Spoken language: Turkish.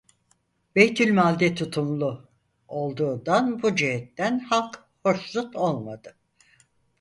Beytülmal'de tutumlu olduğundan bu cihetten halk hoşnut olmadı.